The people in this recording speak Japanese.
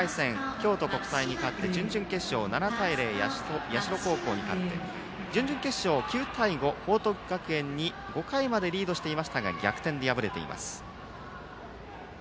京都国際に勝って準々決勝、７対０で社高校に勝って準決勝報徳学園に５回までリードしていましたが逆転で敗れています。